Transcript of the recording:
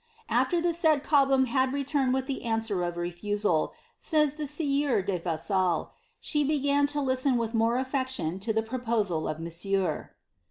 " After the said Cobham had returned with the an ■war of refusal," says the sieur de Vassal, "she began to listao with nore aflection to the proposal of monsieur."